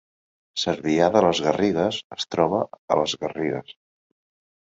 Cervià de les Garrigues es troba a les Garrigues